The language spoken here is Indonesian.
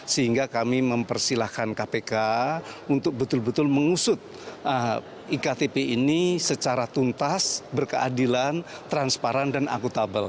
sehingga kami mempersilahkan kpk untuk betul betul mengusut iktp ini secara tuntas berkeadilan transparan dan akutabel